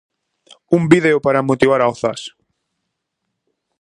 Un vídeo para motivar ao Zas.